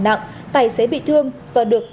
nặng tài xế bị thương và được